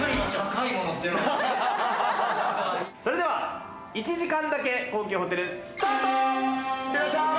それでは１時間だけ高級ホテル、スタート！